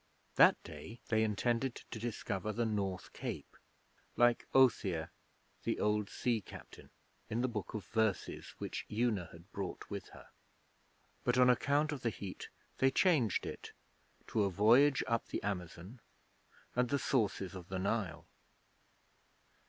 That day they intended to discover the North Cape like 'Othere, the old sea captain', in the book of verses which Una had brought with her; but on account of the heat they changed it to a voyage up the Amazon and the sources of the Nile.